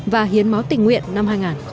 và hiến máu tình nguyện năm hai nghìn một mươi tám